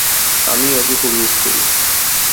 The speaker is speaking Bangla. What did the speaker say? আমিও ওকে খুব মিস করি।